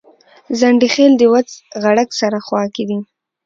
ځنډيخيل دوچ غړک سره خواکی دي